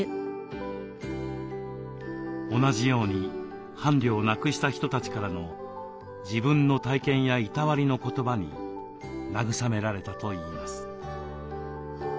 同じように伴侶を亡くした人たちからの自分の体験やいたわりの言葉に慰められたといいます。